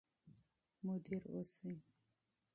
مدیر اوسئ.